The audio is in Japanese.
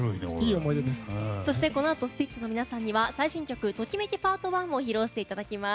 このあとスピッツの皆さんには最新曲「ときめきｐａｒｔ１」を披露していただきます。